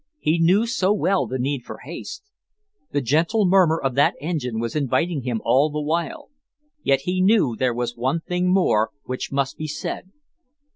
He knew so well the need for haste. The gentle murmur of that engine was inviting him all the while. Yet he knew there was one thing more which must be said.